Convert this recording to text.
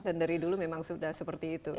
dan dari dulu memang sudah seperti itu kan